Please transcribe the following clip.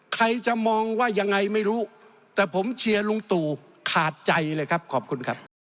ใครจะมองว่ายังไงไม่รู้แต่ผมเชียร์ลุงตู่ขาดใจเลยครับขอบคุณครับ